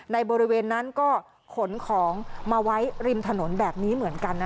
บริเวณนั้นก็ขนของมาไว้ริมถนนแบบนี้เหมือนกันนะ